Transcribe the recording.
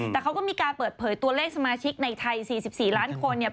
แต่เขาก็มีการเปิดเผยตัวเลขสมาชิกในไทย๔๔ล้านคนเนี่ย